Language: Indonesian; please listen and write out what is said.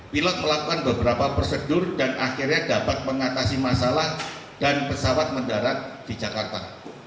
pilot melakukan beberapa prosedur dan akhirnya dapat mengatasi masalah dan pesawat mendarat di jakarta